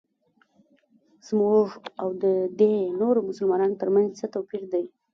زموږ او ددې نورو مسلمانانو ترمنځ څه توپیر دی.